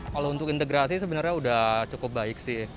kalau untuk integrasi sebenarnya sudah cukup baik sih